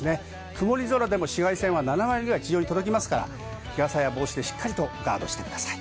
曇り空でも紫外線は７割くらい届きますから紫外線しっかりとガードしてください。